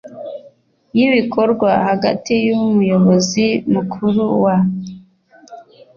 Y ibikorwa hagati y umuyobozi mukuru wa ur